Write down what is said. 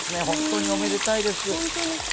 本当におめでたいです。